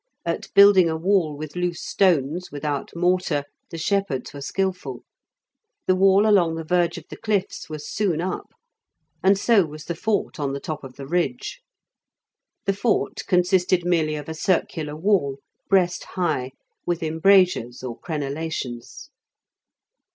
At building a wall with loose stones, without mortar, the shepherds were skilful; the wall along the verge of the cliffs was soon up, and so was the fort on the top of the ridge. The fort consisted merely of a circular wall, breast high, with embrasures or crenellations.